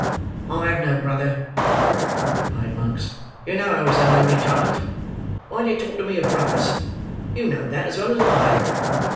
"I have no brother," replied Monks. "You know I was an only child. Why do you talk to me of brothers? You know that, as well as I."